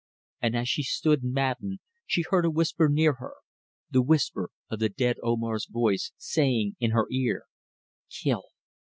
And as she stood, maddened, she heard a whisper near her, the whisper of the dead Omar's voice saying in her ear: "Kill!